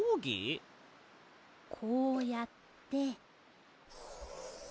こうやって。